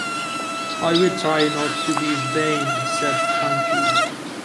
"I'll try not to be vain," said Frankie.